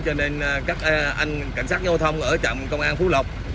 cho nên các anh cảnh sát nô thông ở trạm công an phú lập